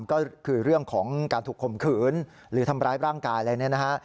ก็คือเรื่องของการถูกข่มขืนหรือทำร้ายร่างกายอะไรเนี่ยนะฮะ